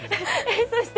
そして、